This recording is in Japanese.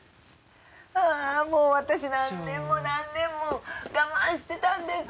もう私、何年も何年も我慢してたんです。